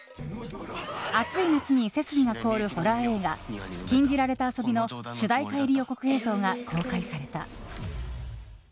暑い夏に背筋が凍るホラー映画「禁じられた遊び」の主題歌入り予告映像が公開された。